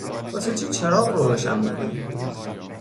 واسه چی چراغ رو روشن می کنی؟